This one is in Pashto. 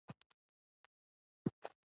ډېر نېږدې کسان.